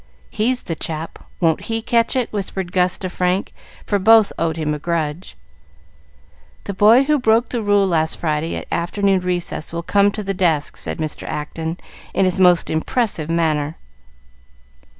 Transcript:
"He's the chap. Won't he catch it?" whispered Gus to Frank, for both owed him a grudge. "The boy who broke the rule last Friday, at afternoon recess, will come to the desk," said Mr. Acton in his most impressive manner.